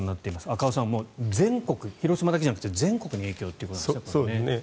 赤尾さん、全国広島だけじゃなくて全国に影響ということなんですね。